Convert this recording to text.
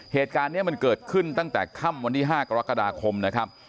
เหตุการณ์นี้มันเกิดขึ้นตั้งแต่ค่ำวันที่๕กรกฎาคมนะครับ